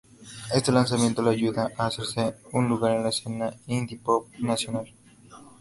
Este lanzamiento le ayuda a hacerse un lugar en la escena indie-pop nacional.